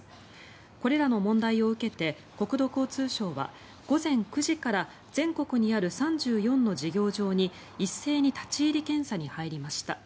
これらの問題を受けて国土交通省は午前９時から全国にある３４の事業場に一斉に立ち入り検査に入りました。